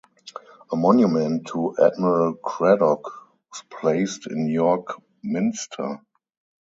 A monument to Admiral Cradock was placed in York Minster.